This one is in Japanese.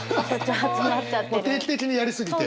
定期的にやり過ぎて。